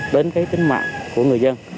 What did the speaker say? đến cái tính mạng của người dân